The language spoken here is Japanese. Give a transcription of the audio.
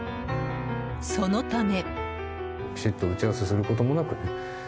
そのため。